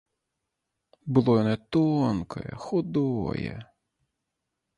Было яно тонкае, худое.